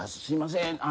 すいません